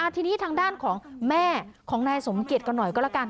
ทีนี้ทางด้านของแม่ของนายสมเกียจกันหน่อยก็แล้วกัน